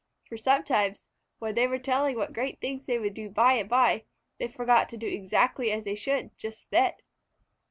For sometimes, when they were telling what great things they would do by and by, they forgot to do exactly as they should just then.